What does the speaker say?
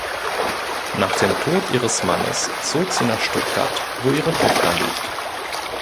Nach dem Tod ihres Mannes zog sie nach Stuttgart, wo ihre Tochter lebt.